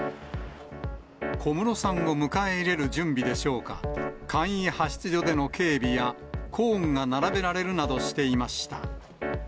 小室さんを迎え入れる準備でしょうか、簡易派出所での警備や、コーンが並べられるなどしていました。